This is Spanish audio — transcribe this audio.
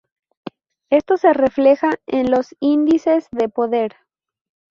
Esto se refleja en los índices de poder.